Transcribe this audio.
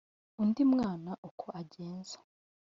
Undi mwana uko agenza